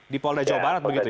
di polda jawa barat begitu ya